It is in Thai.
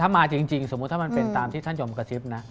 ถ้ามาจริงสมมุติถ้ามันเป็นตามที่ท่านยมกระซิบนะ